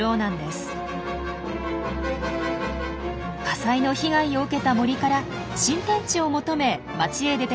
火災の被害を受けた森から新天地を求め町へ出てきたコアラ。